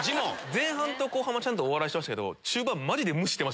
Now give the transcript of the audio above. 前半と後半はちゃんとお笑いしてましたけど。